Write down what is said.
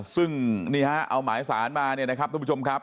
ซึ่งนี่ฮะเอาหมายสารมาเนี่ยนะครับทุกผู้ชมครับ